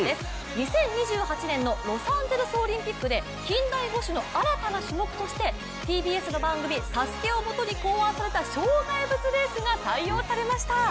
２０２８年のロサンゼルスオリンピックで近代五種の新たな種目としてＴＢＳの番組「ＳＡＳＵＫＥ」をもとに考案された障害物レースが採用されました。